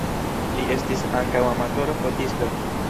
Li estis ankaŭ amatora fotisto.